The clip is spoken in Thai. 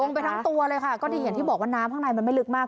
ไปทั้งตัวเลยค่ะก็ที่อย่างที่บอกว่าน้ำข้างในมันไม่ลึกมาก